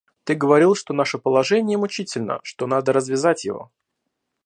Ты говорил, что наше положение мучительно, что надо развязать его.